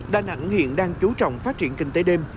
đà nẵng hiện đang chú trọng phát triển kinh tế đêm